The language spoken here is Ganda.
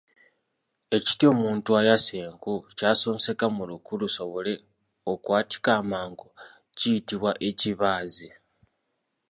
Ekiti omuntu ayasa enku ky'asonseka mu luku lusobole okwatika amangu kiyitibwa ekibaazi.